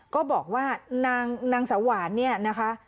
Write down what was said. ก็บอกว่านางสาวหวานเนี่ยนะคะ